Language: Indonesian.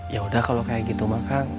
yaudah kalau kayak gitu mak kang